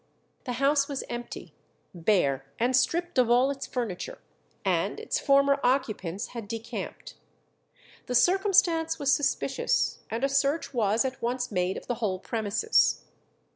The house was empty, bare and stripped of all its furniture, and its former occupants had decamped. The circumstance was suspicious, and a search was at once made of the whole premises.